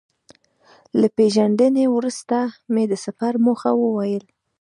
له پېژندنې وروسته مې د سفر موخه وویل.